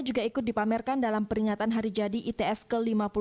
juga ikut dipamerkan dalam peringatan hari jadi itf ke lima puluh dua